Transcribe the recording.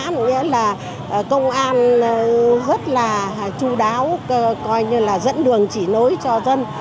một nghĩa là công an rất là chú đáo coi như là dẫn đường chỉ nối cho dân